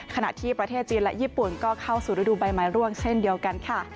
ขณะที่ประเทศจีนและญี่ปุ่นก็เข้าสู่ฤดูใบไม้ร่วงเช่นเดียวกันค่ะ